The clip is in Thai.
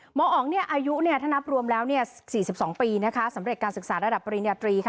หมออ๋องอายุถ้านับรวมแล้ว๔๒ปีสำเร็จการศึกษาระดับปริญญาตรี